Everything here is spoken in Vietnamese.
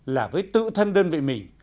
là với tự thân đơn vị mình